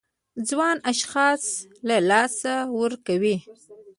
ځوان اشخاص له لاسه ورکوي.